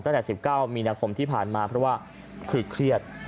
ตั้งแต่๑๙มีนาคมที่ผ่านมาเพราะว่าคือเครียด